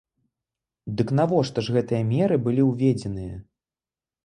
Дык навошта ж гэтыя меры былі ўведзеныя?